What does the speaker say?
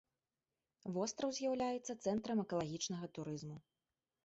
Востраў з'яўляецца цэнтрам экалагічнага турызму.